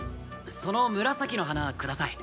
その紫の花下さい。